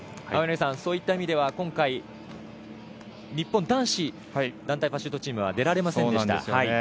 青柳さん、そういった意味では今回、日本男子団体パシュートチームは出られませんでした。